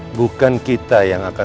rbuat kadang nakal